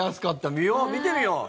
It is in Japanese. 見よう、見てみよう！